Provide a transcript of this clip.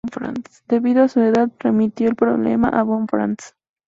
Debido a su edad, remitió el problema a von Franz.